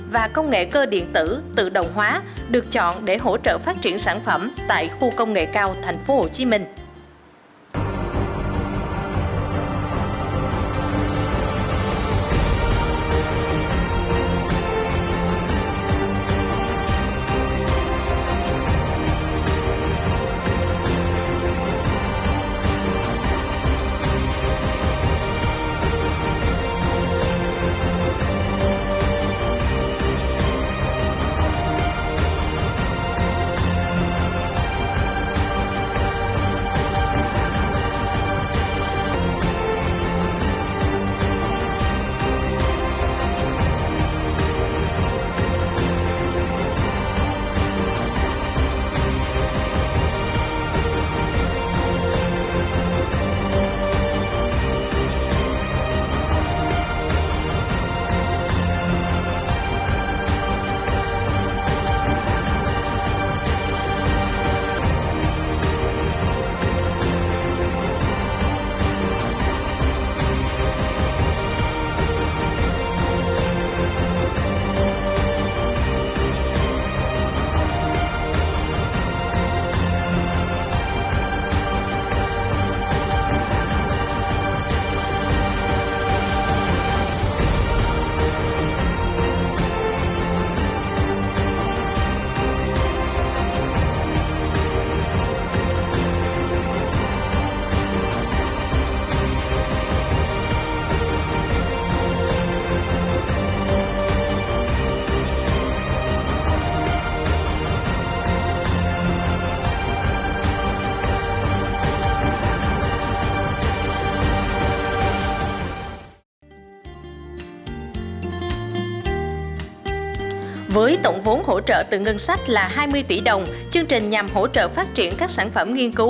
và công nghệ cơ điện tử tự động hóa được chọn để hỗ trợ phát triển sản phẩm tại khu công nghệ cao tp hcm